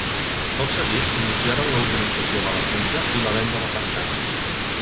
Tot seguit iniciaren la urbanització de la finca i la venda de parcel·les.